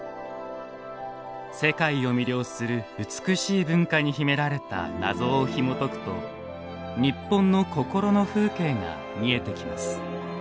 世界を魅了する美しい文化に秘められた謎をひもとくと日本の心の風景が見えてきます。